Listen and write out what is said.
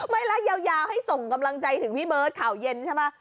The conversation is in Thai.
ไม่แล้วยาวให้ส่งกำลังใจถึงพี่เบิร์ตข่าวเย็นใช่ไหม